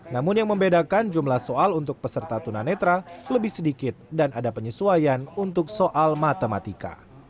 namun yang membedakan jumlah soal untuk peserta tunanetra lebih sedikit dan ada penyesuaian untuk soal matematika